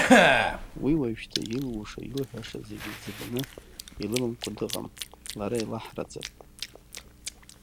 Уи уажәшьҭа илуша-илҳәаша зегьы ӡыбны илымамкәа дыҟам, лара илаҳраӡап.